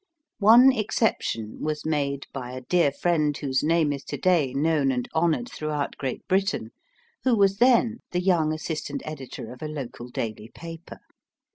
One exception was made by a dear friend whose name is to day known and honoured throughout Great Britain, who was then the young assistant editor of a local daily paper.